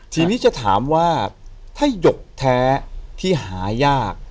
ทีนี้จะถามว่าถ้าหยกแท้ที่หายาก